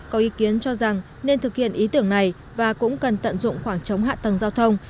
có ý kiến cho rằng nên thực hiện ý tưởng này và cũng cần tận dụng khoảng trống hạ tầng giao thông